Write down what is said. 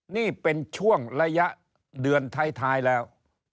นี่เป็นช่วงระยะเดือนท้ายแล้ว